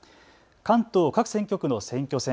関東各選挙区の選挙戦。